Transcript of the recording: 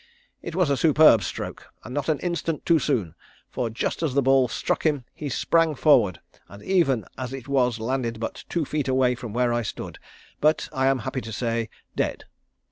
It was a superb stroke and not an instant too soon, for just as the ball struck him he sprang forward, and even as it was landed but two feet away from where I stood, but, I am happy to say, dead.